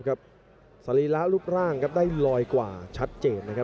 สรีระรูปร่างครับได้ลอยกว่าชัดเจนนะครับ